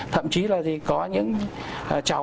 thậm chí là có những cháu mang cả một cái điện thoại vào